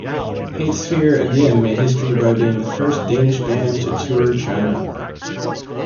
HateSphere again made history by being the first Danish band to tour China.